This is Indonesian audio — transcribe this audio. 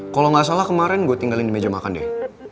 kalo gak salah kemaren gue tinggalin di meja makan deh